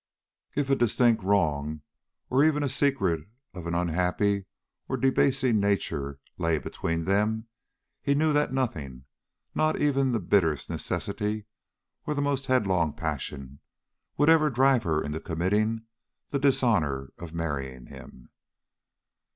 If a distinct wrong or even a secret of an unhappy or debasing nature lay between them, he knew that nothing, not even the bitterest necessity or the most headlong passion, would ever drive her into committing the dishonor of marrying him.